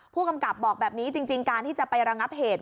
ผู้กำกับบอกแบบนี้จริงการที่จะไประงับเหตุ